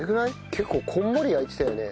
結構こんもり焼いてたよね？